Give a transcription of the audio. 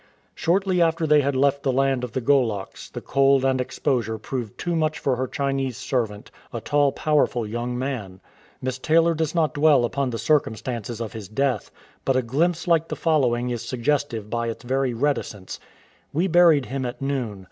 Shortly after they had left the land of the Goloks the cold and exposure proved too much for her Chinese servant, a tall, powerful young man. Miss Taylor does not dwell upon the circumstances of his death, but a glimpse like the following is suggestive by its very reticence : "We buried him at noon.